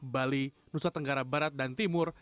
bali nusa tenggara barat dan timur